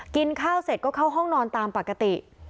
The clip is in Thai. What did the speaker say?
กินข้าวเสร็จก็เข้าห้องนอนตามปกติ